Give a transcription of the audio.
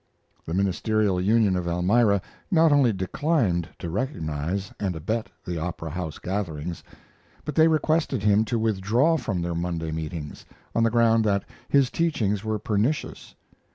The Ministerial Union of Elmira not only declined to recognize and abet the Opera House gatherings, but they requested him to withdraw from their Monday meetings, on the ground that his teachings were pernicious.